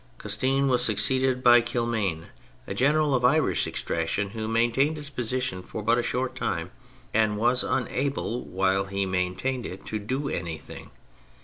Custine was succeeded by Kilmaine, a general of Irish extraction, who maintained his position for but a short time, and was unable while he maintained it to do anything.